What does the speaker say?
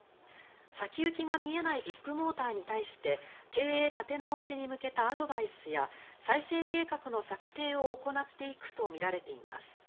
先行きが見えないビッグモーターに対して経営立て直しに向けたアドバイスや再生計画の策定を行っていくとみられています。